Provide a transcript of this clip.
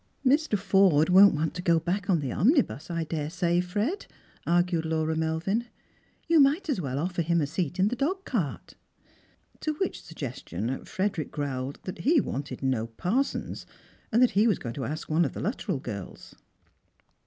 " Mr. Forde won't want to go back on the omnibus, I dare say, Fred," argued Laura Melvin. " You might as well offer him a seat in the dogcart." To which suggestion Frederick growled that he wanted no 52 Strangers c^ Pilgrims. parsons, and that he was going to ask one of the Liittrell girls.